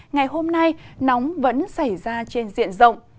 ngày hôm nay nóng vẫn xảy ra trên diện rộng